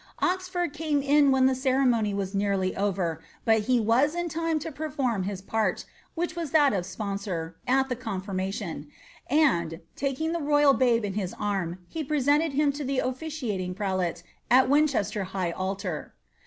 Oxford came m wben the ceremony was nearly over, but lie was in time to perform hia put, which was that of sponsor, al llie confirmation ; and, taking the royal babe on his arm, he presented him to the officiating prelate at Winchester high altar.